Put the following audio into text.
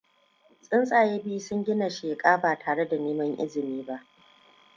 Tsuntsaye biyu sun gina sheƙa ba tare da neman izini ba.